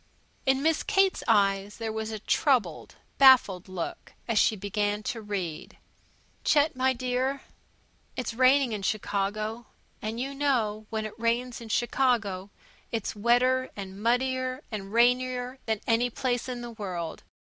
In Miss Kate's eyes there was a troubled, baffled look as she began to read: Chet, dear, it's raining in Chicago. And you know when it rains in Chicago, it's wetter, and muddier, and rainier than any place in the world.